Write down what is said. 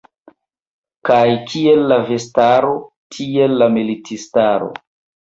Kaj kiel la vestaro, tiel la militistaro.